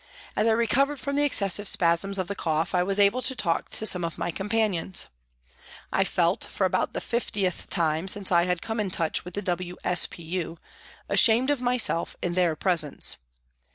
As I recovered from the excessive spasms of the cough, I was able to talk to some of my companions. I felt, for about the fiftieth time since I had come in touch with the W.S.P.U., ashamed of myself in their presence.